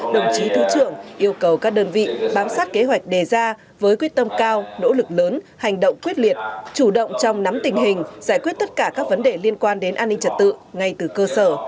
đồng chí thứ trưởng yêu cầu các đơn vị bám sát kế hoạch đề ra với quyết tâm cao nỗ lực lớn hành động quyết liệt chủ động trong nắm tình hình giải quyết tất cả các vấn đề liên quan đến an ninh trật tự ngay từ cơ sở